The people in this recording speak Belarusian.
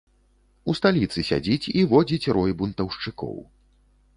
У сталіцы сядзіць і водзіць рой бунтаўшчыкоў.